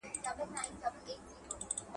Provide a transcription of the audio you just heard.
قومانده ورکړل شوه چې په جنګ کې هیڅ څوک زیان ونړي.